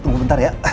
tunggu bentar ya